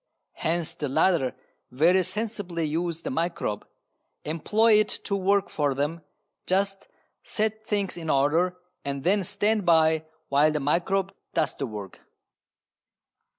Hence the latter very sensibly use the microbe, employ it to work for them, just set things in order and then stand by while the microbe does the work.